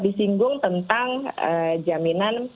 disinggung tentang jaminan